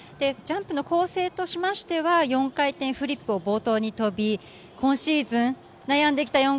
ジャンプの構成としましては４回転フリップを冒頭に跳び、今シーズン悩んできた